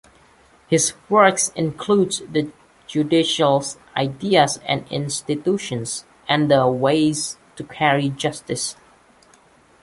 His works includes "The Judicial Ideals and Institutions" and "The Ways to Carry Justice".